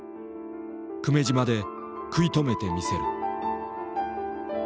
「久米島で食い止めてみせる」。